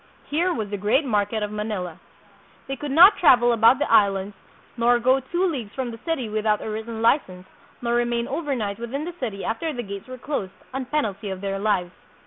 Here was the great market of Manila. They could not travel about the Islands, nor go two leagues from the city without a written license, nor remain over night within the city after the gates were closed, on penalty of their lives.